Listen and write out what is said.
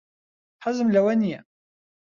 حەزم لەوە نییە.